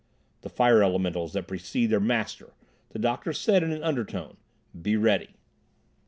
"The fire elementals that precede their master," the doctor said in an undertone. "Be ready."